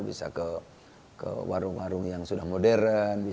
bisa ke warung warung yang sudah modern